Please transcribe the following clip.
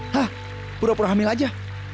hah pura pura hamil aja